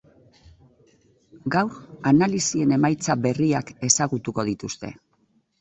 Gaur analisien emaitza berriak ezagutuko dituzte.